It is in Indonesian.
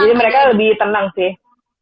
jadi mereka lebih tenang sih